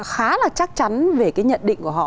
khá là chắc chắn về nhận định của họ